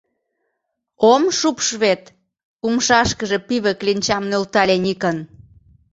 Ом шупш вет, — умшашкыже пиве кленчам нӧлтале Никон.